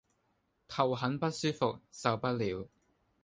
頭很不舒服，受不了